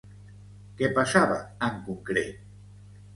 Què passava en concret?